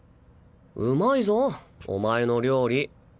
うまいぞお前の料理。